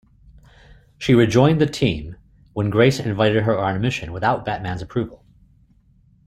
She rejoined the team, when Grace invited her on a mission, without Batman's approval.